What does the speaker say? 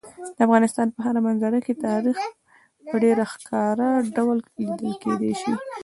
د افغانستان په هره منظره کې تاریخ په ډېر ښکاره ډول لیدل کېدی شي.